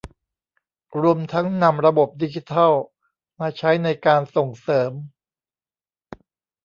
รวมทั้งนำระบบดิจิทัลมาใช้ในการส่งเสริม